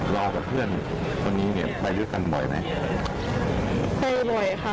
กับเพื่อนคนนี้เนี่ยไปด้วยกันบ่อยไหมเคยบ่อยค่ะ